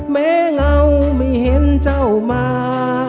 เงาไม่เห็นเจ้ามา